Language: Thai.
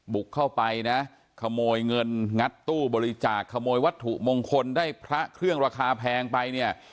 บุกเข้าไปนะขโมยเงินงัดตู้บริจาคขโมยวัตถุมงคลได้พระเครื่องราคาแพงไปเนี่ย